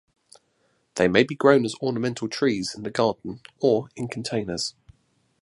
They may be grown as ornamental trees in the garden or in containers.